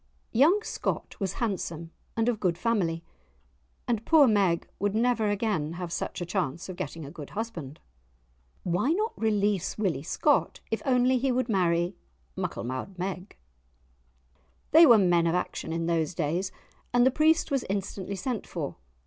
Young Scott was handsome and of good family, and poor Meg would never again have such a chance of getting a good husband. Why not release Willie Scott, if only he would marry Mucklemou'd Meg? They were men of action in those days, and the priest was instantly sent for.